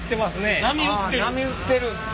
あ波打ってる。